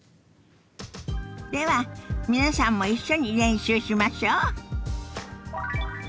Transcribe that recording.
では皆さんも一緒に練習しましょ。